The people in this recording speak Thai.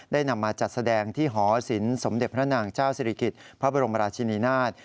นำมาจัดแสดงที่หอศิลปสมเด็จพระนางเจ้าศิริกิจพระบรมราชินีนาฏ